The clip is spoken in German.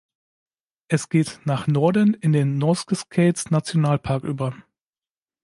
Es geht nach Norden in den North-Cascades-Nationalpark über.